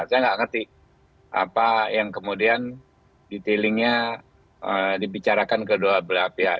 saya nggak ngerti apa yang kemudian detailingnya dibicarakan kedua belah pihak